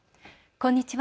こんにちは。